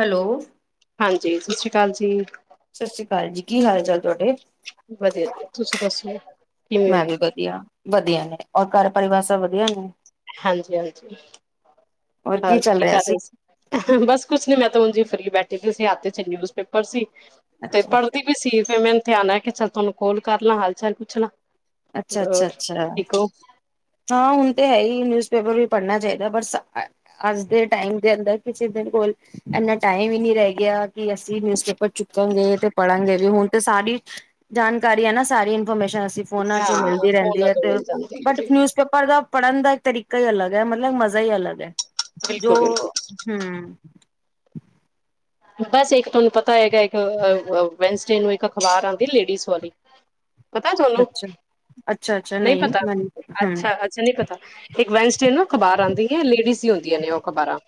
Hello. ਹਾਂਜੀ, ਸਤਿ ਸ਼੍ਰੀ ਅਕਾਲ ਜੀ। ਸਤਿ ਸ੍ਰੀ ਅਕਾਲ ਜੀ, ਕੀ ਹਾਲ-ਚਾਲ? ਵਧੀਆ, ਤੁਸੀਂ ਦੱਸੋ? ਕਿਵੇਂ ਹੋ ਮੈਂ ਵੀ ਵਧੀਆ, ਵਧੀਆ ਨੇ। ਔਰ, ਘਰ ਪਰਿਵਾਰ ਸਭ ਵਧੀਆ ਨੇ? ਹਾਂਜੀ-ਹਾਂਜੀ ਹੋਰ, ਕੀ ਕਰ ਰਹੇ ਸੀ? ਬਸ ਕੁਛ ਨੀ, ਮੈਂ ਤਾਂ ਉਂਝ ਹੀ ਕੱਲੀ ਬੈੇਠੀ ਸੀ [unintelligible] ਤੇ ਅੱਛਾ ਨਿਊਜ਼ਪੇਪਰ ਸੀ ਤੇ ਅੱਛਾ, ਪੜ੍ਹਦੀ ਵੀ ਸੀ। ਫਿਰ ਮੈਨੂੰ ਧਿਆਨ ਆਇਆ ਕੇ ਚੱਲ ਤੁਹਾਨੂੰ ਕੌਲ ਕਰ ਲਾਂ। ਹਾਲ-ਚਾਲ ਪੁੱਛਲਾ। ਅੱਛਾ, ਹੋਰ, ਅੱਛਾ ਅੱਛਾ ਠੀਕ ਹੋ। ਹਾਂ, ਹੁਣ ਤੇ ਹੈ ਹੀ, ਨਿਊਜ਼ ਪੇਪਰ ਵੀ ਪੜ੍ਹਨਾ ਚਾਹੀਦਾ, ਪਰ ਅੱਜ ਦੇ ਟਾਈਮ ਦੇ ਅੰਦਰ, ਕਿਸੇ ਦੇ ਕੋਲ ਇੰਨਾ ਟਾਈਮ ਹੀ ਨਹੀਂ ਰਹਿ ਗਿਆ ਕਿ ਅਸੀਂ ਨਿਊਜ਼ ਪੇਪਰ ਚੀਕਾ ਗੇ ਤੇ ਪੜ੍ਹਨਗੇ ਵੀ। ਹੁਣ ਤੇ ਸਾਰੀ ਜਾਣਕਾਰੀ ਹੈ ਨਾ ਸਾਰੀਆਂ ਹਮੇਸ਼ਾ ਅਸੀ ਫੋਨਾਂ ਚ ਹੀ ਹਾਂ ਮਿਲਦੀ ਰਹਿੰਦੀ ਫੋਨਾਂ ਹੈ ਤੋਂ ਤੇ ਮਿਲ ਜਾਂਦੀ ਹੈ ਬਟ ਜੀ ਨਿਊਜ਼ਪੇਪਰ ਦਾ ਪੜ੍ਹਨ ਦਾ ਇੱਕ ਤਰੀਕਾ ਹੀ ਅਲੱਗ ਹੈ। ਮਤਲਬ, ਮਜ਼ਾ ਹੀ ਅਲੱਗ ਹੈ। ਜੋ ਬਿਲਕੁਲ ਬਿਲਕੁਲ ਹੂ ਖਾਲੀ ਬਸ ਇੱਕ ਤੁਹਾਨੂੰ ਪਤਾ ਹੋਏਗਾ। ਇੱਕ ਅ-ਅ- ਵੈਨਸਡੇ ਨੂੰ ਇੱਕ ਅਖ਼ਬਾਰ ਆਉਂਦੀ, ਲੇਡੀਜ਼ ਵਾਲੀ। ਪਤਾ ਤੁਹਾਨੂੰ, ਅੱਛਾ ਅੱਛਾ-ਅੱਛਾ ਨਹੀਂ ਪਤਾ। ਮੈਨੂੰ ਹੂੰ ਅੱਛਾ-ਅੱਛਾ, ਨਹੀਂ ਪਤਾ, ਇੱਕ ਵੈਨਸਡੇ ਨੂੰ ਅਖਬਾਰ ਆਉਂਦੀ ਹੈ। ਲੇਡੀਜ਼ ਦੀ ਹੁੰਦੀਆਂ ਨੇ ਉਹ ਅਖਬਾਰਾਂ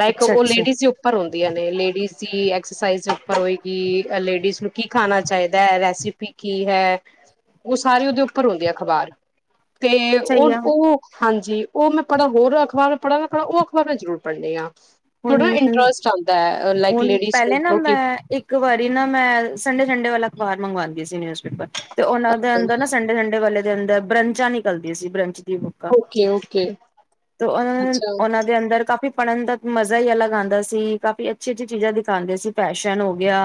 ਲਾਇਕ ਉਹ ਅੱਛਾ-ਅੱਛਾ ਲੇਡੀਜ਼ ਉਪਰ ਹੁੰਦੀਆਂ ਨੇ। ਲੇ ਕਿਸੀ ਐਕਸਰਸਾਈਜ਼ ਦੇ ਉੱਪਰ ਹੋਏਗੀ। ਐ ਲੇਡੀਜ਼ ਨੂੰ ਕੀ ਖਾਣਾ ਚਾਹੀਦਾ ਹੈ। ਰੈਸਪੀ ਕੀ ਹੈ, ਉਹ ਸਾਰੇ ਉਹਦੇ ਉੱਪਰ ਹੁੰਦੀ ਐ ਅਖਬਾਰ। ਤੇ ਸਹੀ ਆ ਉਹ-ਉਹ ਹਾਂਜੀ, ਉਹ ਮੈਂ ਪੜ੍ਹਾ, ਹੋਰ ਅਖ਼ਬਾਰ ਪੜ੍ਹਾ ਨਾ ਪੜ੍ਹਾ। ਉਹ ਅਖਬਾਰਾਂ ਮੈਂ ਜ਼ਰੂਰ ਪੜ੍ਹਦੀ ਆਂ। ਥੋੜਾ ਇੰਟਰਸਟ ਆਉਂਦਾ ਹੈ। ਲਾਈਕ ਹੁਣ ਲੇਡੀਜ਼ ਨੂੰ ਪਹਿਲੇ ਨਾ ਪ੍ਰੋਟੀਨ ਮੈਂ, ਇੱਕ ਵਾਰੀ ਨਾ ਮੈਂ, ਸੰਡੇ ਸੰਡੇ ਵਾਲਾ ਬਾਹਰ ਮੰਗਵਾਉਂਦੀ ਸੀ, ਨਿਊਜ਼। ਤੇ ਉਹਨਾਂ ਦੇ ਅੰਦਰ ਨਾ, ਸੰਡੇ-ਸੰਡੇ ਵਾਲੇ ਦੇ ਅੰਦਰ ਬਰੰਚਾਂ ਨਿਕਲਦੀਆਂ ਸੀ ਬਰੰਚ। ਬੁੱਕ ਓਕੇ ਓਕੇ ਤੇ ਉਨ, ਅੱਛਾ ਉਹਨਾਂ ਦੇ ਅੰਦਰ ਕਾਫੀ ਪੜਨ। ਮਜ਼ਾ ਹੀ ਅਲੱਗ ਆਉਂਦਾ ਸੀ, ਕਾਫ਼ੀ ਅੱਛੀ ਅੱਛੀ ਚੀਜ਼ਾਂ ਦਿਖਾਉਂਦੇ ਸੀ, ਫੈਸ਼ਨ ਹੋ ਗਿਆ।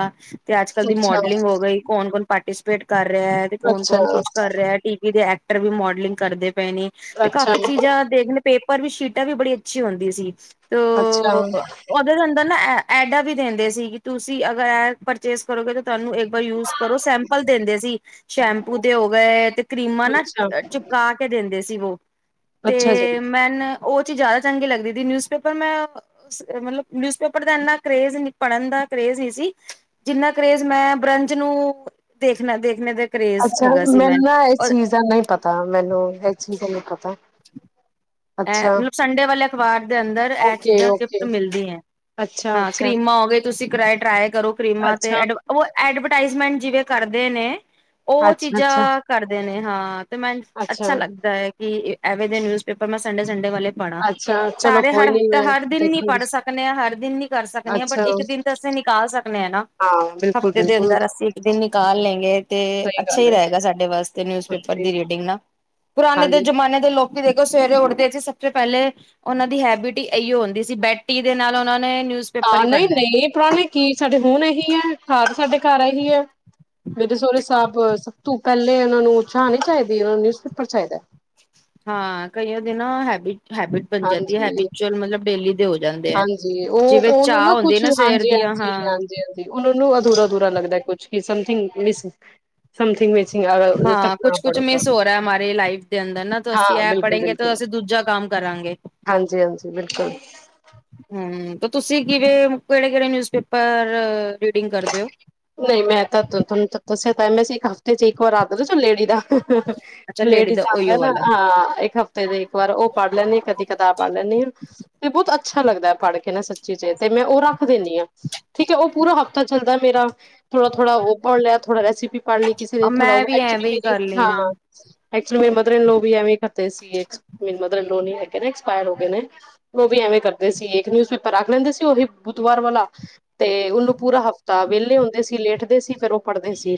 ਤੇ ਅੱਜ ਕਲ ਦੀ ਅੱਛਾ ਮੋਡਲਿੰਗ ਹੋ ਗਈ ਕੌਣ ਕੌਣ ਪਾਰਟੀਸੀਪੇਟ। ਕਰ ਰਿਹਾ ਹੈ, ਤੇ ਕੌਣ ਅੱਛਾ ਕੌਣ ਕੁਛ ਕਰ ਰਿਹਾ ਟੀ ਵੀ ਦੇ ਵੀ ਮੋਡਲਿੰਗ ਕਰਦੇ। ਪਏ ਨੇ, ਤੇ ਅੱਛਾ ਕਾਫ਼ੀ ਚੀਜ਼ਾਂ ਦੇਖ ਲ ਪੇਪਰ ਵੀ ਸ਼ੀਟਾਂ ਵੀ ਬੜੀ ਅੱਛੀ ਹੁੰਦੀ ਸੀ। ਤ ਅੱਛਾ ਉਹਦੇ ਅੰਦਰ ਨਾ ਐਡਾਂ ਵੀ ਦਿੰਦੇ ਸੀ ਕਿ, ਤੁਸੀਂ ਅਗਰ ਇਹ ਪਰਚੇਸ ਕਰੋਗੇ ਤਾਂ ਤੁਹਾਨੂੰ ਯੂਜ ਕਰੋ ਸੈਂਪਲ ਦਿੰਦੇ ਸੀ, ਸ਼ੈਂਪੂ ਦੇ ਹੋ ਗਏ ਤੇ ਕਰੀਮਾਂ ਨਾ ਅੱਛਾ ਚਿਪਕਾ ਕੇ ਦਿੰਦੇ ਸੀ, ਵੋ ਅੱਛਾ ਜੀ। ਤੇ ਮੈਨ ਉਹ ਚੀ ਜ਼ਿਆਦਾ ਚੰਗੀ ਲੱਗਦੀ ਦੀ ਨਿਊਜ਼ ਮੈਂ ਮਤਲਬ, ਨਿਊਜ਼ਪੇਪਰ ਦਾ ਇੰਨਾ ਕਰੇਜ ਪੜ੍ਹਨ ਦਾ ਕਰੇਜ ਹੀ ਸੀ, ਜਿੰਨਾ ਕਰੇਜ ਮੈਂ ਬ੍ਰੰਜ ਨੂੰ ਦੇਖਣਾ ਦੇਖਣੇ ਦੇ ਅੱਛਾ ਮੈਨੂੰ ਨਾ, ਇਸ ਚੀਜ਼ ਦਾ ਨਹੀਂ ਪਤਾ ਮੈਨੂੰ ਇਸ ਚੀਜ਼ ਦਾ ਨਹੀਂ ਪਤਾ। ਇਹ ਅੱਛਾ। ਮਤਲਬ ਸੰਡੇ ਵਾਲੇ ਵਡ। ਦੇ ਅੰਦਰ ਇਹ ਓਕੇ ਚੀਜ਼ਾਂ ਓਕੇ ਗਿਫਟ ਮਿਲਦੀਆਂ, ਅੱਛਾ ਹਾਂ ਅੱਛਾ ਕਰੀਮਾਂ ਹੋ ਗਏ ਤੁਸੀਂ ਕਰਅ ਟਰੈਅ। ਕਰੋ ਕਰੀਮਾ ਤੇ ਅੱਛਾ। ਐਡ ੳ ਐਡ ਰਟਾਈਜ਼ਮੈਂਟ ਜਿਵੇਂ ਕਰਦੇ ਨੇ ਅੱਛਾ ਉਹ ਚੀਜ਼ਾਂ ਕਰਦੇ ਨੇ। ਹਾਂ। ਤੇ, ਮੈ ਅੱਛਾ ਲੱਗਦਾ ਹੈ ਕਿ ਨਿਊਜ਼ਪੇਪਰ। ਮੈਂ ਸੰਡੇ ਸੰਡੇ ਵਾਲੇ ਪੜਾ, ਅੱਛਾ ਚਲੋ ਸਾਰੇ ਕੋਈ ਹਰ ਨੀ ਹਫਤੇ ਮੈਂ ਹਰ ਦਿਨ ਨੀ ਦੇਖਾਂਗੀ ਪੜ੍ਹ ਸਕਨੇ ਆ ਹਰ ਦਿਨ ਨੀ ਕਰ ਸਕਨੇ ਆ, ਬਟ ਅੱਛਾ ਇੱਕ ਦਿਨ ਤੇ ਅਸੀਂ ਨਿਕਾਲ ਸਕਨੇ ਹਾ ਨਾ, ਹਾਂ ਬਿਲਕੁਲ ਹਫ਼ਤੇ ਦੇ ਬਿਲਕੁਲ। ਅੰਦਰ ਅਸੀ ਇੱਕ ਦਿਨ ਨਿਕਾਲ ਲੈਂਗੇ ਤੇ ਸਹੀ ਅੱਛਾ ਗੱਲ ਹੀ ਹੈ ਰਹੇਗਾ, ਸਾਡੇ ਵਾਸਤੇ ਨਿਊਜ਼ ਪੇਪਰ ਹਾਂਜੀ ਦੀ ਰੀਡਿੰਗ ਨਾ ਪੁਰਾਣੇ ਦੇ ਹਾਂਜੀ। ਜਮਾਨੇ ਦੇ ਲੋਕ ਦੇ ਸਵੇਰੇ ਉੱਠਦੇ ਸੀ, ਸਭ ਤੋਂ ਪਹਿਲੇ ਉਹਨਾਂ ਦੀ ਹੈਬਿਟ ਹੀ ਇਹੋ ਹੁੰਦੀ ਸੀ, ਬੈਟੀ ਦੇ ਨਾਲ ਉਹਨਾਂ ਨੂੰ ਹਾਂ, ਨਈਂ ਨਈਂ ਪੁਰਾਣੇ ਕੀ ਸਾਡੇ ਹੁਣ ਇਹੀ ਐ ਖਾ ਸਾਡੇ ਘਰ ਇਹੀ ਓ ਮੇਰੇ ਸਹੁਰੇ ਸਾਹਿਬ ਸਭ ਤੂ ਪਹਿਲੇ ਉਹਨਾਂ ਨੂੰ ਉਚਾਹ ਨਹੀਂ ਚਾਹੀਦੀ ਉਹਨਾਂ ਨੂੰ ਨਿਊਜ਼ਪੇਪਰ ਚਾਹੀਦਾ। ਹਾਂ ਕਈਆਂ ਦੇ ਨਾ ਹੈਬਿਟ ਹੈਬਿਟ ਬਣ ਜਾਂਦੀ ਐ, ਹਾਂਜੀ ਬੀਚੁਅਲ ਮਤਲਬ ਡੇਲੀ ਦੇਓ ਹਾਂਜੀ ਉਹ, ਉਹਨੂੰ ਨਾ ਕੁਛ ਸਵੇਰ ਹਾਂਜੀ ਦੀਆਂ ਹਾਂਜੀ ਹਾਂ ਹਾਂਜੀ ਹਾਂਜੀ ਉਹਨਾਂ ਨੂੰ ਅਧੂਰਾ-ਅਧੂਰਾ ਲੱਗਦਾ ਕੁਛ ਸਮਥਿੰਗ ਮਿਸ ਸਮਥਿੰਗ ਵਿੱਚ ਹਾਂ ਕੁਛ ਕੁਛ ਮਿਸ ਹੋ ਰਿਹਾ ਮਾਰੀ ਲਾਈਫ ਦੇ ਅੰਦਰ ਨਾ ਅਸੀਂ ਹਾਂ ਇਹ ਬਿਲਕੁਲ ਪੜ੍ਹੇਗੇ ਤੇ ਬਿਲਕੁਲ ਅਸੀਂ ਦੂਜਾ ਕੰਮ ਕਰਾਂਗੇ। ਹਾਂਜੀ ਹਾਂਜੀ ਬਿਲਕੁਲ ਹਂ ਤੁਸੀਂ ਕਿਵੇਂ, ਕਿਹੜੇ ਕਿਹੜੇ ਨਿਊਜ਼ਪੇਪਰ ਰੀਡਿੰਗ ਕਰਦੇ ਓ? ਨਹੀਂ ਮੈਂ ਤਾਂ ਤੁ ਤੁਹਾਨੂੰ ਦ ਦੱਸਿਆ ਤਾਂ ਮੈਂ ਇੱਕ ਹਫ਼ਤੇ ਚ ਇੱਕ ਵਾਰ ਰਾ ਆ ਲੇਡੀ ਦਾ ਅੱਛਾ ਲੇਡੀ ਦਾ ਲੇਡੀਜ਼ ਆਉਂਦਾ ਉਹੀਓ ਨਾ, ਵਾਲਾ ਹਾਂ ਇੱਕ ਹਫ਼ਤੇ ਦੇ ਇੱਕ ਵਾਰ ਉਹ ਪੜ੍ਹ ਲੈਂਣੀ ਆ ਕਦੀ ਕਿਤਾਬ ਪੜ੍ਹ ਲੈਂਣੀ ਤੇ ਬਹੁਤ ਅ ਅੱਛਾ ਲੱਗਦਾ ਐ ਪੜ੍ਹ ਕੇ ਨਾ ਸੱਚੀ ਜੇ ਤੇ ਮੈਂ ਉਹ ਰਾ ਦਿੰਦੀ ਹਾਂ ਠੀਕ ਐ ਉਹ ਪੂਰਾ ਹਫ਼ਤਾ ਚੱਲਦਾ ਮੇਰਾ ਥੋੜਾ-ਥੋੜਾ ਉਹ ਪੜ ਲਿਆ, ਥੋੜਾ ਰੈਸੀਪੀ ਵੀ ਪੜ੍ਹ ਲਈ ਕਿਸੇ ਨੇ ਥੋੜਾ ਮੈਂ ਉਹ ਵੀ ਐਕਚੁਲੀ ਐਵੇਂ ਹੀ ਮੇਰੀ ਕਰ ਹਾਂ ਲੈਣਾ ਐਕਚੁਲੀ ਮੇਰੀ ਮਦਰ ਇੰਨਲਾਅ ਵੀ ਇਵੇਂ ਕਰਦੇ ਸੀ ਇਚ ਮੇਰੀ ਮਦਰ ਇੰਨਲਾਅ ਨਈਂ ਹੇਗੇ, ਏਕਸਪਾਇਰ ਹੋ ਗਏ ਨੇ, ਉਹ ਵੀ ਐਵੇਂ ਕਰਦੇ ਸੀ ਇੱਕ ਨਿਊਜ਼ ਪੇਪਰ ਰਖ ਲੈਂਦੇ ਸੀ ਉਹੀ ਬੁੱਧਵਾਰ ਵਾਲਾ, ਤੇ ਉਹਨੂੰ ਪੂਰਾ ਹਫ਼ਤਾ ਵਿਹਲੇ ਹੋ ਸੀ ਲੇਟਦੇ ਸੀ ਫਿਰ ਉਹ ਪੜ੍ਹਦੇ ਸੀ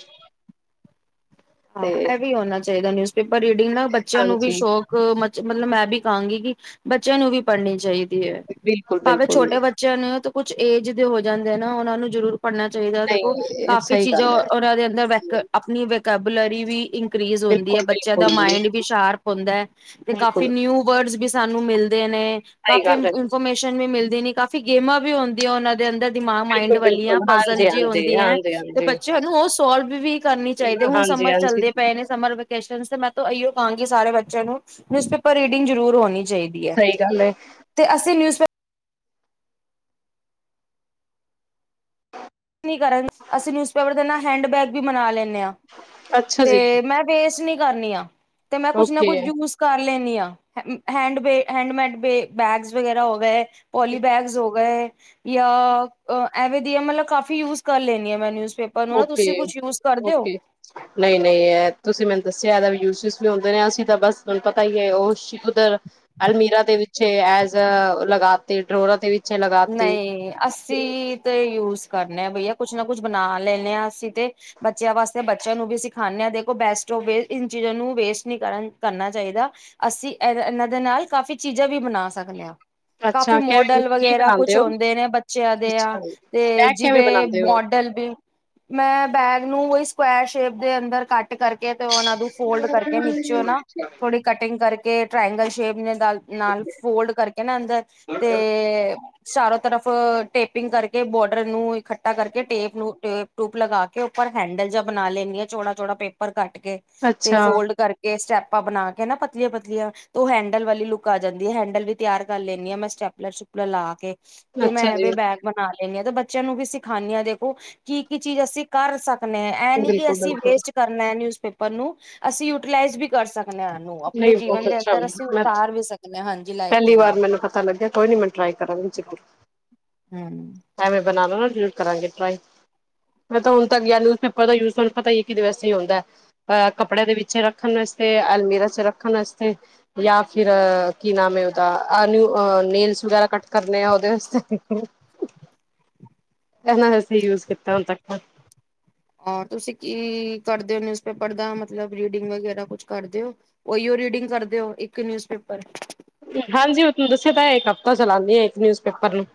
ਹਾਂ ਤੇ ਇਹ ਵੀ ਹੋਣਾ ਚਾਹੀਦਾ ਨਿਊਜ਼ਪੇਪਰ ਰੀਡਿੰਗ ਨਾ ਬੱਚਿਆਂ ਨੂੰ ਵੀ ਹਾਂਜੀ ਸ਼ੌਕ ਮਚ ਮਤਲਬ ਮੈਂ ਵੀ ਕਹਾਂਗੀ ਕਿ ਬੱਚਿਆਂ ਨੂੰ ਵੀ ਪੜ੍ਹਨੀ ਚਾਹੀ ਦੀ ਏ, ਬਿਲਕੁਲ ਭਾਵੇਂ ਬਿਲਕੁਲ ਛੋਟੇ ਬੱਚਿਆਂ ਨੇ ਹੋ ਕੁੱਛ ਏਜ ਦੇ ਹੋ ਜਾਂਦੇ ਆ ਨਾ ਉਹਨਾਂ ਨੂੰ ਜ਼ਰੂਰ ਪੜ੍ਹਨਾ ਚਾਹੀਦਾ ਦੇਖੋ ਨਹੀਂ ਕਾਫ਼ੀ ਸਹੀ ਚੀਜ਼ਾਂ ਗੱਲ ਹੈ ਉਹਨਾਂ ਦੇ ਅੰਦਰ ਵੇਕ ਆਪਣੀ ਵੇਕ ਕੈਬਲਰੀ ਵੀ ਇਂ ਇੰਕਰੀਜ ਹੁੰਦੀ ਐ, ਬਿਲਕੁਲ ਬੱਚਿਆਂ ਦਾ ਬਿਲਕੁਲ ਮਾਇੰਡ ਵੀ ਸ਼ਾਰਪ ਹੁੰਦਾ ਐ ਤੇ ਕਾਫੀ ਬਿਲਕੁਲ ਨਿਊ ਵਰਡਸ ਵੀ ਸਾਨੂੰ ਮਿਲਦੇ ਨੇ ਸਹੀ ਕਾਫੀ ਗੱਲ ਹੈ ਇਨਫੋਰਮੇਸ਼ਨ ਵੀ ਮਿਲਦ ਨਈਂ ਕਾਫ਼ੀ ਗੇਮਾਂ ਵੀ ਹੰਦੀਆਂ ਉਹਨਾਂ ਦੇ ਅੰਦਰ ਦਿਮਾਗ ਮਾਇਂਡ ਬਿਲਕੁਲ ਵਾਲੀਆ ਬਿਲਕੁਲ ਪਜਲ ਹਾਂਜੀ ਜਿ ਹਾਂਜੀ ਹੁੰਦੀ ਐ ਹਾਂਜੀ ਤੇ ਹਾਂਜੀ ਬੱਚਿਆਂ ਨੂੰ ਉਹ ਸੋਲਵ ਵੀ ਕਰਨੀ ਚਾਹੀਦੀ। ਹੁਣ ਹਾਂਜੀ ਸਮਰ ਹਾਂਜੀ ਚੱਲਦੇ ਪਏ ਨੇ, ਸਮਰ ਵੈਕੇਸ਼ਨ ਤੇ ਮੈਂ ਤੋਂ ਇਹੀਓ ਕਹਾਂਗੀ ਸਾਰੇ ਬਚ ਚਿਆਂ ਨੂੰ ਨਿਊਜ਼ਪੇਪਰ ਰੀਡਿੰਗ ਜ਼ਰੂਰ ਹੋਣੀ ਚਾਈਦੀ ਐ ਸਹੀ ਗੱਲ ਹੈ ਤੇ ਅਸੀਂ ਨਿਊਜ਼ਪੇਪਰ ਨਹੀਂ ਕਰਨ ਅਸੀਂ ਨਿਊਜ਼ਪੇਪਰ ਦੇ ਨਾਲ ਹੈਂਡਬੈਗ ਵੀ ਬਨਾ ਲੈਣੇ ਅੱਛਾ ਤੇ ਜੀ ਮੈਂ ਵੇਸ ਨੀਂ ਕਰਨੀ ਆ ਤੇ ਮੈਂ ਕੁੱਛ ਨਾ ਓਕੇ ਕੁਝ, ਯੂਜ ਕਰ ਲੈਣੀ ਹੈਂਡਮੈ ਹੈਂਡਮੈਟਸ ਬੈਗਸ ਵਗੈਰਾ ਹੋ ਗਏ ਪੋਲੀ ਬੈਗਸ ਹੋ ਗਏ ਐਵੇ ਦੀਆ ਮਤਲਬ ਕਾਫੀ ਯੂਜ ਕਰ ਲੇਨੀ ਆਂ ਮੈਨੂੰ ੳਕੇ, ੳਕੇ, ਨਹੀਂ-ਨਹੀਂ ਏ ਤੁਸੀਂ ਮੈਨੂੰ ਦੱਸਿਆ ਇਹਦਾ ਯੂਜ ਤੁਸੀਂ ਆਉਂਦੇ ਆਂ ਅਸੀਂ ਤਾਂ ਬਸ, ਤੁਹਾਨੂੰ ਪਤਾ ਹੀ ਹੈ, ਉਹ ਉਧਰ ਅਲਮੀਰਾ ਦੇ ਵਿੱ ਚ ਐਜ ਲਗਾ ਤੇ ਡਰੋਰਾਂ ਤੇ ਵੀ ਨਹੀਂ, ਅਸੀਂ ਤੇ ਯੂਜ ਕਰਨੇ ਹਾਂ ਬਈਆ ਕੁਛ ਨਾ ਕੁਛ ਬਣਾ ਲੈਂਦੇ ਹਾਂ ਅਸੀਂ ਤੇ, ਬੱਚਿਆਂ ਵਾਸਤੇ ਬੱਚਿਆਂ ਨੂੰ ਵੀ ਸਿਖਾਨੇ ਹਾਂ, ਦੇਖੋ ਬੈਸਟ ਇਨ ਚੀਜ਼ਾਂ ਨੂੰ ਵੇਸਟ ਨਹੀਂ ਕਰਨ ਕਰਨਾ ਚਾਹੀਦਾ ਅਸੀਂ ਇਹ ਇਹਨਾਂ ਦੇ ਨਾਲ ਕਾਫ਼ੀ ਚੀਜ਼ਾਂ ਵੀ ਬਣਾ ਸਕਦੇ ਹਾਂ। ਕਾਫੀ ਅੱਛਾ ਕਿਵੇਂ ਮੋਡਲ ਕੀ ਵਗੇਰਾ ਕੁਛ ਬਣਾਦੇ ਹੋ? ਹੁੰਦੇ ਨੇ ਬੱਚਿਆਂ ਦੇ, ਆ ਅੱਛਾ ਤੇ ਬੈਗ ਕਿਵੇਂ ਜਿਵੇਂ ਬਣਾਦੇ ਹੋ? ਮੋਡਲ ਵੀ ਮੈਂ ਬੈਗ ਨੂੰ ਉਹੀ ਸਕੁਐਰ ਸ਼ੇਪ ਦੇ ਅੰਦਰ ਕੱਟ ਕਰਕੇ ਤੇ ਉਹਨਾ ਨੂੰ ਫੋਲਡ ਕਰਕੇ ਨੀਚੇ ਨਾ, ਥੋੜੀ ਕਟਿੰਗ ਕਰ ਕੇ ਟ੍ਰਇਂਗਲ ਸ਼ੇਪ ਨੇ ਦਾ-ਨਾਲ ਫੋਲਡ ਕਰਕੇ ਨਾ ਅੰਦਰ ਤੇ ਤਰਫ ਟੇਪਿੰਗ ਕਰਕੇ ਬੋਡਰ ਨੂੰ ਇਕੱਠਾ ਕਰਕੇ ਟੇਪ ਨੂੰ ਟੇਪ ਟੂਪ ਲਗਾ ਕੇ, ਉੱਪਰ ਹੈਂਡਲ ਜਾ ਬਨਾ ਲੈਂਨੀ ਆਂ, ਚੋੜਾ ਚੋੜਾ ਪੇਪਰ ਕਟ ਕੇ ਤੇ ਅੱਛਾ, ਫੋਲਡ ਕਰਕੇ ਸਟੈਪ ਆਪਾਂ ਬਣਾ ਕੇ ਨਾ, ਪਤਲੀਆਂ-ਪਤਲੀਆਂ ਤੇ ਉਹ ਹੈਂਡਲ ਵਾਲੀ ਲੁੱਕ ਆ ਜਾਂਦੀ ਹੈ ਹੈਂਡਲ ਵੀ ਤਿਆਰ ਕਰ ਲੈਂਨੀ ਆਂ, ਮੈਂ ਸਟੈਪਲਰ ਸੁਪਲਰ ਲਾ ਕੇ ਤੇ ਮੈਂ ਅੱਛਾ ਜੀ ਇਹਵੇ ਬੈਗ ਬਣਾ ਲ ਇਨਾ ਤਾਂ ਬੱਚਿਆਂ ਨੂੰ ਵੀ ਸਿਖਾਂਨੀਆਂ, ਦੇਖੋ ਕੀ ਕੀ ਚੀਜ਼ ਅਸੀਂ ਕਰ ਸਕ ਨੇ ਹਾਂ ਐ ਨਹੀਂ ਨੀ ਕਿ, ਅਸੀਂ ਬਿਲਕੁਲ-ਬਿਲਕੁਲ ਵੇਸਟ ਕਰਨਾ ਨਿਊਜ਼ਪੇਪਰ ਓਨੂੰ ਅਸੀਂ ਯੂਟੀਲਾਈਜ਼ ਵੀ ਕਰ ਸਕ ਨਹੀਂ ਬਹੁਤ ਅੱਛਾ, ਮੈਂ ਉਤਾਰ ਵੀ ਸਕਦੇ ਹਾਂ ਹਾਂਜੀ ਲਾਈਫ ਦੇ ਪਹਿਲੀ ਵਾਰ ਅੰਦਰ ਮੈਨੂੰ ਪਤਾ ਲੱਗਿਆ, ਕੋਈ ਨੀ ਮੈਂ ਟਰਾਈ ਕਰਾਂਗੀ ਜ਼ਰੂਰ। ਹਮਮ। ਬਣਾਲੋ ਨਾ ਫੇਰ ਕਰਾ ਗੇ ਟ੍ਰਾਈ, ਮੈ ਤਾ ਹੁਣ ਤਕ ਜਿਆਦਾਤਰ ਪੇਪਰ ਦਾ ਯੂਜ ਪਤਾ ਹੀ ਹੈ, ਕਿਦੇ ਵਾਸਤੇ ਹੁੰਦੈ ਆ ਕੱਪੜੇਯਾ ਦੇ ਵਿਚ ਰੱਖਣ ਵਾਸਤੇ ਅਲਮੀਰਾ ਚ ਰੱਖਣ ਵਾਸਤੇ ਯਾ ਫਿਰ ਕੀ, ਨਾਮ ਹੈ ਉਹਦਾ ਆ ਨਾਉ-ਨੇਲਸ ਵਗੈਰਾ ਕੱਟ ਕਰਨੇ ਆ, ਉਹਦੇ ਵਾਸਤੇ ਐਨਾ ਵਾਸਤੇ ਹੀ ਯੂਜ ਕੀਤਾ ਹੈ ਹੁਣ ਤਕ ਹੋਰ ਤੁਸੀਂ ਕੀ ਕਰਦੇ ਹੋ ਨਿਊਜ਼ਪੇਪਰ ਦਾ, ਮਤਲਬ ਰੀਡਿੰਗ ਵਗੈਰਾ ਕੁਛ ਕਰਦੇ ੳ ਓਹੀਓ ਰੀਡਿੰਗ ਕਰਦੇ ਹੋ ਇੱਕ ਨਿਊਜ਼ਪੇਪਰ ਹਾਂਜੀ, ਉਹ ਤਵਾਨੁ ਦੱਸਿਆ ਤਾਂ ਇੱਕ ਹਫ਼ਤਾ ਚਲਾਂਦਿਆ ਇੱਕ ਨਿਊਜ਼ਪੇਪਰ ਨੂੰ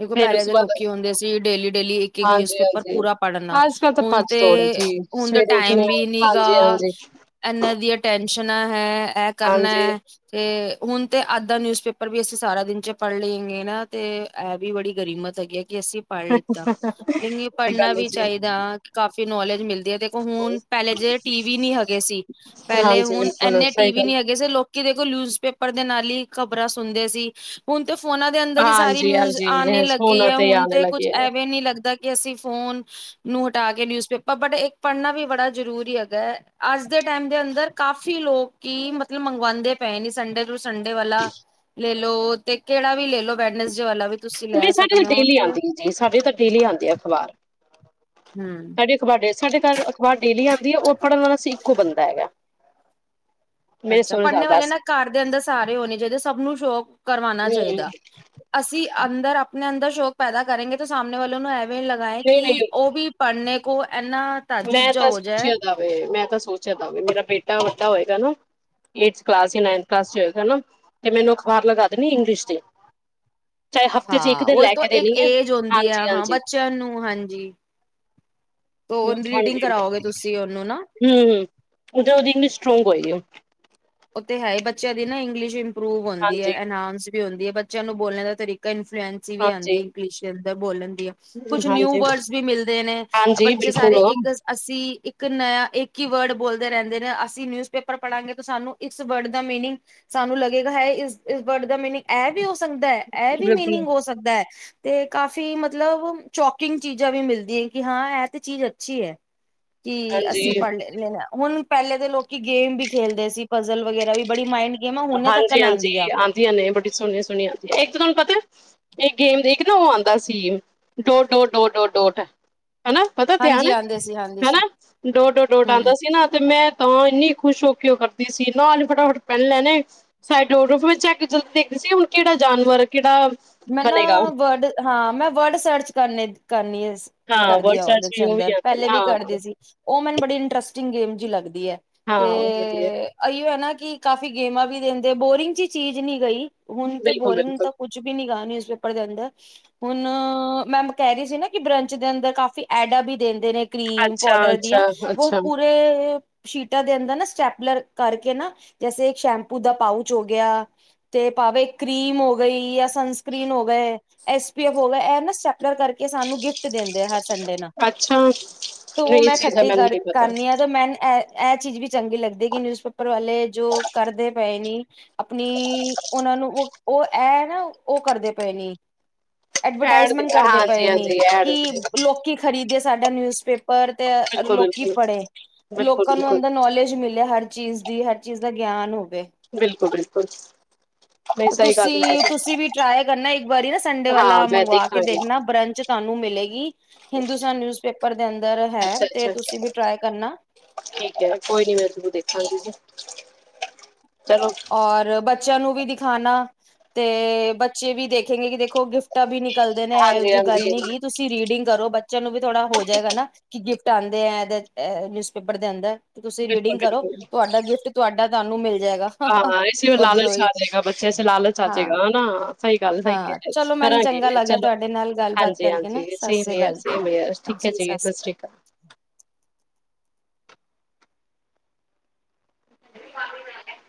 ਦੇਖੋ ਫੇਰ ਉਸ ਪਹਿਲੇ ਦੇ ਤੋਂ ਬਾਅਦ ਲੋਕੀ ਹੁੰਦੇ ਸੀ, ਡੇਲੀ-ਡੇਲੀ ਇੱਕ-ਇੱਕ ਨਿਊਜ ਹਾਂਜੀ ਪੇਪਰ ਹਾਂਜੀ ਪੂਰਾ ਪੜ੍ਹਨਾ, ਅੱਜ ਕੱਲ ਤਾਂ ਹੁਣ ਭੱਜ ਦੌੜ ਹੈ ਤੇ ਜੀ ਹੁਣ ਤਾਂ ਸਵੇਰੇ ਉੱਠਣੇ ਟਾਈਮ ਆ ਵੀ ਨੀ ਹਾਂਜੀ ਗਾ ਹਾਂਜੀ ਇਹਨਾਂ ਦੀ ਅਤੇਣ ਸ਼ਣਾ ਹੈ ਇਹ ਕਰਨਾ ਹਾਂਜੀ ਹੈ ਤੇ, ਹੁਣ ਤੇ ਅੱਜ਼ ਦਾ ਨਿਊਜ਼ਪੇਪਰ ਵੀ ਅਸੀਂ ਸਾਰਾ ਦਿਨ ਚ ਪਾੜ ਲਏ ਹੈਗੇ ਨਾ ਤੇ ਐ ਵੀ ਬੜੀ ਗਰੀਮਤ ਹੈਗੀ ਹੈ ਕਿ ਅਸੀਂ ਪੜ੍ਹ ਲਿੱਤਾ, ਲੇਕਿਨ ਸਹੀ ਪੜ੍ਹਨਾ ਗੱਲ ਹੈ ਵੀ ਜੀ ਚਾਹੀਦਾ ਕਾਫੀ ਨੌਲੇਜ ਮਿਲਦੀ ਹੈ ਦੇਖੋ ਹੁਣ ਪਹਿਲੇ ਜਿ ਟੀ-ਵੀ ਨਹੀਂ ਹੈਗੇ ਸੀ, ਪਹਿਲੇ ਹਾਂਜੀ ਹੁਣ ਬਿਲਕੁਲ ਇੰਨੇ ਸਹੀ ਟੀ-ਵੀ ਗੱਲ ਨਹੀਂ ਹੈਗੇ ਸੀ ਲੋਕੀ ਦੇਖੋ ਨਿਊਜ਼ ਪੇਪਰ ਦੇ ਨਾਲ ਹੀ ਖ਼ਬਰਾਂ ਸੁਣਦੇ ਸੀ ਹੁਣ ਤੇ ਫੋਨਾਂ ਦੇ ਅੰਦਰ ਹੀ ਸਾਰੀ ਹਾਂਜੀ ਨਿਊਜ਼ ਹਾਂਜੀ ਆਨੇ ਲੱਗੀ ਹੈ, ਹੁਣ ਆਣੇ ਤੇ ਕੁਝ ਲੱਗੇ ਆ। ਐਵੇਂ ਨੀ ਲੱਗਦਾ ਕਿ ਅਸੀਂ ਫੋਨ ਨੂੰ ਹਟਾ ਕੇ ਨਿਊਜ਼ਪੇਪਰ ਅ ਬਟ ਇੱਕ ਪੜ੍ਹਨਾ ਵੀ ਬੜਾ ਜਰੂਰੀ ਹੈਗਾ, ਅੱਜ ਦੇ ਟਾਈਮ ਦੇ ਅੰਦਰ ਕਾਫ਼ੀ ਲੋਕ ਹੀ ਮਤਲਬ ਮੰਗਵਾਉਂਦੇ ਪਏ ਨੇ ਸੰਡੇ [unintelligible] ਸੰਡੇ ਵਾਲਾ ਲੈ ਲੋ ਤੇ ਕਿਹੜਾ ਵੀ ਲੈ ਲੋ ਬੈਡਨ ਜ ਵਾਲਾ ਵੀ, ਤੁਸੀਂ ਨੀ ਲੈ ਸਾਡੇ ਸਕਦੇ ਤਾਂ ਹੋ ਡੇਲੀ ਤੇ ਆਉਂਦੀ ਆ ਜੀ ਸਾਡੇ ਤਾਂ ਡੇਲੀ ਆਉਂਦੇ ਆ ਅਖ਼ਬਾਰ। ਹੂੰ। ਸਾਡੇ ਅਖ਼ਬਾਰ ਡੇ ਸਾਡੇ ਘਰ ਅਖ਼ਬਾਰ ਡੇਲੀ ਆਉਂਦੀ ਹੈ ਉਹ ਪੜ੍ਹਨ ਵਾਲਾ ਇੱਕੋ ਬੰਦਾ ਹੈਗਾ। ਮੇਰੇ ਅੱਛਾ, ਸੋਹਰੇ ਪੜ੍ਹਨੇ ਸਾਹਿਬ ਵਾਲੇ ਬਸ ਨਾ ਘਰ ਦੇ ਅੰਦਰ ਸਾਰੇ ਹੋਣੇ ਚਾਹੀਦੇ ਸਭ ਨੂੰ ਸ਼ੌਕ ਕਰਵਾਉਣਾ ਹੂੰ ਚਾਹੀਦਾ, ਅਸੀਂ ਅੰਦਰ ਆਪਣੇ ਅੰਦਰ ਸ਼ੌਕ ਪੈਦਾ ਕਰੇਗੇ ਤੇ, ਸਾਹਣੇ ਵਾਲੋਂ ਨੂੰ ਇਹ ਲਗਾਏ ਕਿ ਨਹੀਂ ਨਹੀਂ ਉਹ ਵੀ ਪੜ੍ਹਨੇ ਕੋ ਮੈਂ ਤਾਂ ਸੋਚਿਆ ਦਾਵੇ ਮੈਂ ਤਾਂ ਸੋਚਿਆ ਦਾਵੇ ਮੇਰਾ ਬੇ ਬੇਟਾ ਵੱਡਾ ਹੋਏਗਾ ਨਾ, ਏੜਥ ਕਲਾਸ ਯਾਂ, ਨਾਇਂਥ ਕਲਾਸ ਚ ਹੈਨਾ, ਤੇ ਮੈਨੂ ਅਖ਼ਬਾਰ ਲਗਾ ਦੇਣੀ ਇੰਗਲਿਸ਼ ਦੀ। ਚਾਹੇ ਹਫ਼ਤੇ ਚ ਇੱਕ ਹਾਂ ਦਿਨ ਉਹ ਲੈ ਤੋਂ ਕੇ ਇੱਕ ਦੇਣੀ ਹੈ। ਏਜ ਹੁੰਦੀ ਆ, ਹਾਂਜੀ ਹਾਂ ਹਾਂਜੀ ਬੱਚਿਆਂ ਨੂੰ ਹਾਂਜੀ। ਤੋਂ ਰੀਡਿੰਗ ਹਾਂਜੀ, ਕਰਾਓਗੇ ਤੁਸੀਂ ਉਹਨੂੰ ਨਾ ਹੂੰ ਉਹ ਤਾਂ ਉਹਦੀ ਇੰਗਲਿਸ਼ ਸਟਰੋਂਗ ਸਹੀ ਆ ਉਹ ਤੇ ਹੈ ਬੱਚਿਆਂ ਦੀ ਨਾ ਇੰਗਲਿਸ਼ ਪ੍ਰਰੂਵ ਹੁੰਦੀ ਹਾਂਜੀ ਹੈ ਅਨਾਸ [unintelligible] ਹੁੰਦੀ ਹੈ ਬੱਚਿਆਂ ਨੂੰ ਬੋਲਣ ਦਾ ਤਰੀਕਾ ਇ ਫਰੈਂਚ ਵੀ ਆਉਂਦੀ ਹਾਂਜੀ ਇੰਗਲਿਸ਼ ਦਾ ਬੋਲਣ ਕੁਛ ਨਿਊ ਹਾਂਜੀ ਵਰਡਸ ਵੀ ਮਿਲਦੇ ਨੇ, ਹਾਂਜੀ ਬੱਚੇ ਬਿਲਕੁਲ ਸਾਰੇ ਇੱਕ ਅਸੀਂ ਇੱਕ ਇੱਕ ਨਯਾ ਇੱਕ ਹੀ ਵਰਡ ਬੋਲਦੇ ਰਹਿੰਦੇ ਨੇ, ਅਸੀਂ ਨਿਊਜ਼ਪੇਪਰ ਪੜਾਂਗੇ ਤਾਂ ਸਾਨੂੰ ਇਸ ਵਰਡ ਦਾ ਮੀਨਿੰਗ, ਸਾਨੂੰ ਲੱਗੇਗਾ ਹੈ ਇਸ ਇਸ ਵਰਡ ਦਾ ਮੀਨਿੰਗ ਐ ਵੀ ਉਸ ਹੁੰਦਾ।, ਇਹ ਵੀ ਬਿਲਕੁਲ ਮੀਨਿੰਗ ਹੋ ਸਕਦਾ ਹੈ। ਤੇ ਕਾਫੀ ਮਤਲਬ ਚੋਕਿੰਗ ਚੀਜ਼ਾਂ ਵੀ ਮਿਲਦੀਆਂ, ਕਿ ਹਾਂ ਇਹ ਤੇ ਚੀਜ਼ ਅੱਛੀ ਹੈ। ਕਿ ਹਾਂਜੀ ਅਸੀਂ ਪੜ੍ਹ ਲੈਣਾ ਹੁਣ ਪਹਿਲੇ ਦੇ ਲੋਕੀ ਗੇਮ ਵੀ ਖੇਲਦੇ ਸੀ। ਪਜ਼ਲ ਵਗੈਰਾ ਵੀ ਬੜੀ ਮਾਇੰਡ ਗੇਮ ਆ ਹੁਣੇ ਤੱਕ ਹਾਂਜੀ ਹਾਂਜੀ ਆਉਂਦੀ ਆ ਆਉਂਦੀਆਂ ਨੇ, ਬੜੀ ਸੋਹਣੀਆਂ ਸੋਹਣੀਆਂ ਆਉਂਦੀਆਂ ਨੇ ਤੁਹਾਨੂੰ ਪਤਾ ਇਹ ਗੇਮ ਇੱਕ ਨਾ ਉਹ ਆਉਂਦਾ ਸੀ, ਡੋ ਡੋ ਡੋ ਡੋ ਡੋਟ ਹੈਨਾ ਪਤਾ ਤਿਆਨ ਹਾਂਜੀ ਐ, ਆਉਂਦੇ ਸੀ ਆਉਂਦੇ ਸੀ ਹੈਨਾ ਡੋ ਡੋ ਡੋ ਡ ਹਮ ਆਂਦਾ ਸੀ ਨਾ, ਤੇ ਮੈਂ ਤਾਂ ਇਨੀ ਖੁਸ਼ ਹੋ ਕੇ ਉਹ ਕਰਦੀ ਸੀ ਨਾਲ ਈ ਫਟਾਫਟ ਪੈਨ ਲੈਣੇ ਸਾਈਡੋਰ ਰੂਫ ਵਿੱਚ ਚੱਕ ਜਲਦੀ ਦੇਖਦੀ ਸੀ ਹੁਣ ਕਿਹੜਾ ਜਾਨਵਰ ਕਿਹੜਾ ਮੈਂ ਨਾ ਬਣੇਗਾ ਵਰਡ ਹਾਂ ਮੈਂ ਵਰਡ ਸਰਚ ਕਰਨੇ ਕਰਨੀ ਹਾਂ ਵਰਡ ਕਰਦੀਆਂ ਸਰਚ ਉਹਦੇ ਚ ਵੀ ਉਹ ਅੰਦਰ ਆਉਂਦੇ ਨੇ ਪਹਿਲੇ ਵੀ ਹਾਂ ਕਰਦੀ ਸੀ ਉਹ ਮੈਨੂੰ ਬੜੀ ਇੰਟਰਸਟਿੰਗ ਗੇਮ ਜੀ ਲੱਗਦੀ ਐ ਤੇ ਹਾਂ ਉਹ ਵਧੀਆ ਅਈਓ ਹੈ ਨਾ ਕਿ ਕਾਫ਼ੀ ਗੇਮਾਂ ਵੀ ਰਿਹੰਦੀ ਐ ਬੋਰਿੰਗ ਜੀ ਚੀਜ਼ ਨੀ ਗਈ ਬਿਲਕੁਲ ਬਿਲਕੁਲ ਹਾਂ ਨਿਊਜ਼ਪੇਪਰ ਦੇ ਅੰਦਰ ਹੁਣ ਮੈਂ ਕਹਿ ਰਹੀ ਸੀ ਨਾ ਕਿ ਬਰੰਚ ਦੇ ਅੰਦਰ ਕਾਫੀ ਐਡਾਂ ਵੀ ਦੇਣ ਨੇ ਕਰੀਮ ਅੱਛਾ ਪਾਊਡਰ ਦੀਆਂ ਅੱਛਾ ਬਹੁਤ ਅੱਛਾ ਪੂਰੇ ਸ਼ੀਟਾਂ ਦੇ ਅੰਦਰ ਨਾ ਸਟੈਪਲਰ ਕਰਕੇ ਨਾ ਜੈਸੇ ਇੱਕ ਸ਼ੈਂਪੂ ਦਾ ਪਾਊਚ ਹੋ ਗਿਆ ਤੇ ਭਾਵੇਂ ਕਰੀਮ ਹੋ ਗਈ ਜਾਂ ਸੰਨ ਸਕ੍ਰੀਨ ਹੋ ਗਏ ਐਸ ਪੀ ਹੋ ਇਹ ਨਾ ਸਟੈਪਲਰ ਕਰਕੇ ਸਾਨੂੰ ਗਿਫਟ ਦਿੰਦੇ ਆ ਹਰ ਸਾਲ ਠੰਡੇ ਨਾ ਅੱਛਾ ਤੂੰ ਨਹੀਂ ਮੈਂ ਇਸ ਚੀਜ਼ ਦਾ ਖੱਟੀ ਮੈਨੂੰ ਕਰ ਨਹੀਂ ਪਤਾ ਕਰਨੀ ਆ ਤੇ ਮੈਂਨ ਐ ਐਹ ਚੀਜ਼ ਵੀ ਚੰਗੀ ਲੱਗਦੀ ਕਿ ਨਿਊਜ਼ ਪੇਪਰ ਵਾਲੇ ਜੋ ਕਰਦੇ ਪਏ ਨੀ ਆਪਣੀ ਉਹਨਾਂ ਨੂੰ ਉਹ ਐਹ ਨਾ ਔ ਕਰਦੇ ਪਏ ਨੀ ਐਡ ਐਡਵਰਟਾਈਜ਼ਮੈਂਟ ਦਿੱਤਾ ਕਰਦੇ ਹਾਂਜੀ ਪਏ ਨੇ ਹਾਂਜੀ ਐਡ ਕਿ ਬਿਲਕੁਲ ਲੋਕੀ ਖਰੀਦ ਤੇ ਸਾਡਾ ਨਿਊਜ਼ ਪੇਪਰ ਪਰ ਤੇ ਲੋਕੀ ਬਿਲਕੁਲ ਪੜ੍ਹੇ ਬਿਲਕੁਲ ਲੋਕਾਂ ਨੂੰ ਬਿਲਕੁਲ ਅੰਦਰ ਨੌਲੇਜ ਮਿਲੇ ਹਰ ਚੀਜ਼ ਦੀ ਹਰ ਚੀਜ਼ ਦਾ ਗਿਆਨ ਹੋ ਬਿਲਕੁਲ ਬਿਲਕੁਲ ਕੁਛ ਤੁਸੀਂ, ਤੁਸੀਂ ਵੀ ਟਰਾਈ ਕਰਨਾ ਇੱਕ ਵਾਰੀ ਨਾ ਸੰਡੇ ਹਾਂ ਵਾਲਾ ਮੈਂ ਮੰਗਵਾ ਕੇ ਦੇਖਾਂਗੀ ਦੇਖਣਾ ਬਰੰਚ ਤੁਹਾਨੂੰ ਮਿਲ ਲੇ ਗੀ ਹਿੰਦੁਸਤਾਨ ਨਿਊਜ਼ ਪੇਪਰ ਪੜਦੇ ਅਨ ਅੱਛਾ ਅੱਛਾ ਠੀਕ ਹੈ ਕੋਈ ਨੀ ਮੈਂ ਜ਼ਰੂਰ ਦੇਖਾਂਗੀ ਚਲੋ ਔਰ ਬੱ ਬੱਚਿਆਂ ਨੂੰ ਵੀ ਦਿਖਾਉਣਾ ਤੇ ਬੱਚੇ ਵੀ ਦੇਖੇਂਗੇ ਕਿ ਦੇਖ ਖੋ ਗਿਫਟਾਂ ਵੀ ਨਿਕਲਦੇ ਨੇ ਇਹੋ ਹਾਂਜੀ ਜਿਹੀ ਗੱਲ ਹਾਂਜੀ ਨੀ ਗੀ ਤੁਸੀਂ ਰੀਡਿੰਗ ਕਰੋ ਬੱਚਿਆਂ ਨੂੰ ਵੀ ਥੋੜਾ ਹੋ ਜਾਏਗਾ ਨਾ ਕਿ ਗਿਫਟ ਆਉਂਦੇ ਆ ਇਹ ਨਿਊਜ਼ਪੇਪਰ ਦੇ ਅੰਦਰ ਤੁਸੀਂ ਬਿਲਕੁਲ ਰੀਡਿੰਗ ਕਰੋ ਬਿਲਕੁਲ ਤੁਹਾਡਾ ਗਿਫਟ ਤੁਹਾਡਾ ਤੁਹਾਨੂੰ ਮਿਲ ਜਾਏਗਾ ਹਾਂ ਇਸ ਉੱਧਰੋਂ ਲਾਲਚ ਹੀ ਆ ਜੇਗਾ ਬੱਚਿਆਂ ਚ ਲਾਲਚ ਆ ਹਾਂ ਜੇਗਾ ਹਨਾ ਸਹੀ ਗੱਲ ਸਹੀ ਕਹਿ ਹਾਂ ਰਹੇ ਹੋ ਤੁਸੀਂ ਚਲੋ ਮੈਨੂੰ ਕਰਾਂਗੀ ਚੰਗਾ ਮੈਂ ਲੱਗਿਆ ਚਲੋ ਤੁਹਾਡੇ ਨਾਲ ਗੱਲਬਾਤ ਹਾਂਜੀ ਕਰਕੇ ਨਾ ਹਾਂਜੀ ਸਤਿ ਸੇਮ ਸ੍ਰੀ ਹੇਅਰ ਅਕਾਲ ਸੇਮ ਹੇਅਰ ਠੀਕ ਹੈ ਜੀ ਸਤਿ ਸ੍ਰੀ ਅਕਾਲ